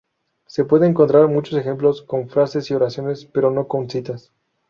Se pueden encontrar muchos ejemplos con frases y oraciones, pero no con citas.